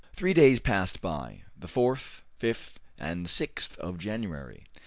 Three days passed by the 4th, 5th, and 6th of January.